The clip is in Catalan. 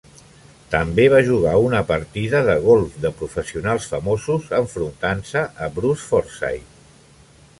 També va jugar a una partida de golf de professionals famosos enfrontant-se a Bruce Forsyth.